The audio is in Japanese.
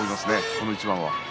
この一番は。